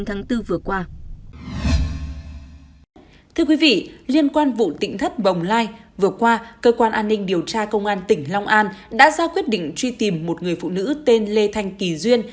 thưa quý vị liên quan vụ tỉnh thất bồng lai vừa qua cơ quan an ninh điều tra công an tỉnh long an đã ra quyết định truy tìm một người phụ nữ tên lê thanh kỳ duyên